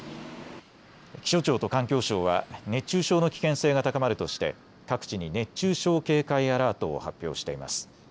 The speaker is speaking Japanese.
気象庁と環境省は熱中症の危険性が高まるとして各地に熱中症警戒アラートを発表しています。